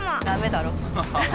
ダメだろ。